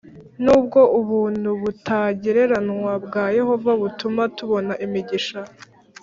Nubwo ubuntu butagereranywa bwa Yehova butuma tubona imigisha